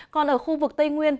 còn ở khu vực tây nguyên